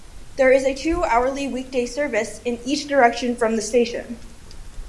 There is a two-hourly weekday service in each direction from the station.